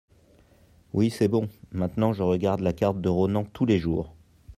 oui c'est bon, maintenant je regarde la carte de Ronan tous les jours.